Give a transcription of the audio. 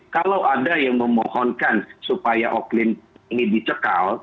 kalau ada yang memohonkan supaya oklin ini dicekal